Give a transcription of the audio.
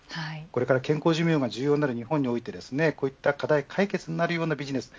健康寿命が重要になる日本においてこういった課題解決になるようなビジネス